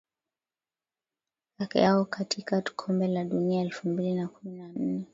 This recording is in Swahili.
yao katika kombe la dunia elfu mbili na kumi na nne